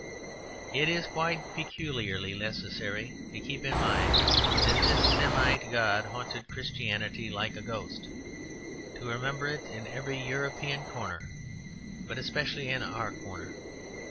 It is quite peculiarly necessary to keep in mind that this Semite god haunted Christianity like a ghost; to remember it in every European corner, but especially in our corner.